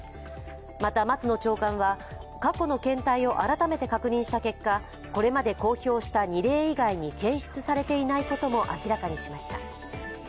また、松野長官は過去の検体を改めて確認した結果、これまで公表した２例以外に検出されていないことも明らかにしました。